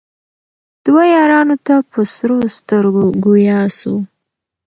دوو یارانو ته په سرو سترګو ګویا سو